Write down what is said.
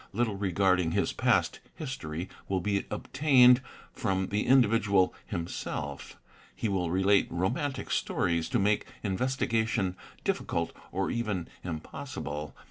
Little regarding his past _ history will be obtained from the individual himself; he will relate romantic stories to make investigation difficult or even impossible.